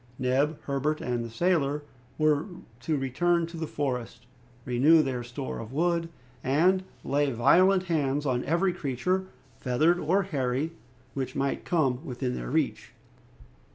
Neb, Herbert, and the sailor were to return to the forest, renew their store of wood, and lay violent hands on every creature, feathered or hairy, which might come within their reach.